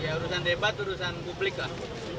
ya urusan debat urusan publik lah